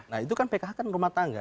nah itu kan pkh kan rumah tangga